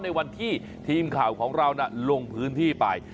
ในวันที่ทีมข่าวของเราลงพื้นที่ไป